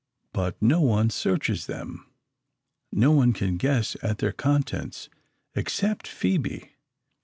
But no one searches them; no one can guess at their contents except Phoebe.